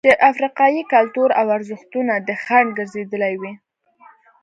چې افریقايي کلتور او ارزښتونه دې خنډ ګرځېدلي وي.